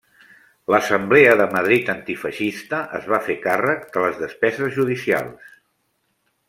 L'assemblea de Madrid Antifeixista es va fer càrrec de les despeses judicials.